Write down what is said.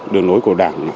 đường lối của đảng